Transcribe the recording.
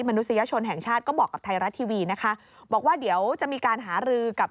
นุษยชนแห่งชาติก็บอกกับไทยรัฐทีวีนะคะบอกว่าเดี๋ยวจะมีการหารือกับ